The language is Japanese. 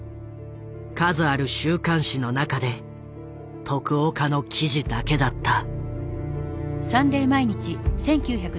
数ある週刊誌の中で徳岡の記事だけだった。